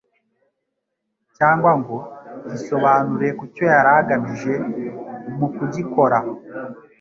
cyangwa ngo yisobanure ku cyo yari agamije mu kugikora,